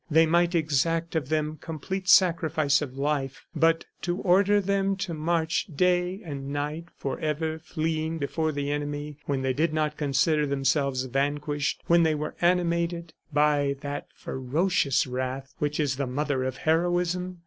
They might exact of them complete sacrifice of life but to order them to march day and night, forever fleeing before the enemy when they did not consider themselves vanquished, when they were animated by that ferocious wrath which is the mother of heroism!